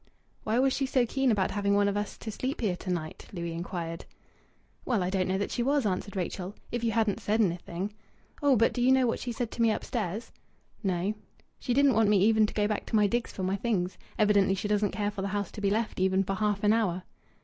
"Why was she so keen about having one of us to sleep here to night?" Louis inquired. "Well, I don't know that she was," answered Rachel. "If you hadn't said anything " "Oh, but do you know what she said to me upstairs?" "No." "She didn't want me even to go back to my digs for my things. Evidently she doesn't care for the house to be left even for half an hour."